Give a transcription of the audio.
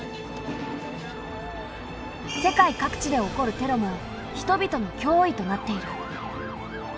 世界各地で起こるテロも人々のきょういとなっている。